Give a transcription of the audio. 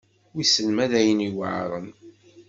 Wissen ma d ayen yuεren.